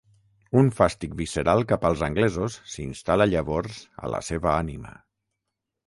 Un fàstic visceral cap als anglesos s'instal·la llavors a la seva ànima.